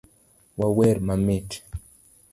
wawer mamit